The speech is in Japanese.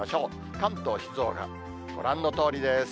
関東、静岡、ご覧のとおりです。